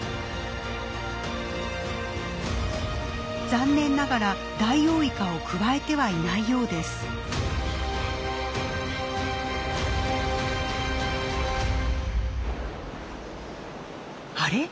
残念ながらダイオウイカをくわえてはいないようです。あれ？